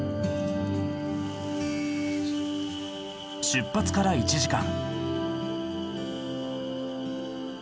出発から１時間。